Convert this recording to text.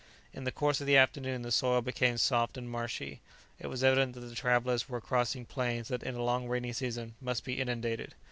In the course of the afternoon, the soil became soft and marshy. It was evident that the travellers were crossing plains that in a long rainy season must be inundated.